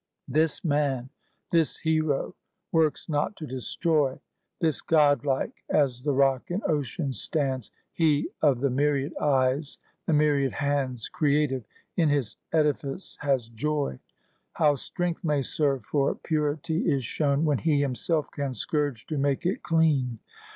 This man, this hero, works not to destroy; This godlike as the rock in ocean stands; He of the myriad eyes, the myriad hands Creative; in his edifice has joy. How strength may serve for purity is shown When he himself can scourge to make it clean.